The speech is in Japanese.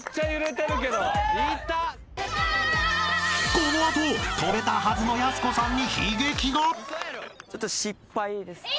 ［この後跳べたはずのやす子さんに悲劇が！？］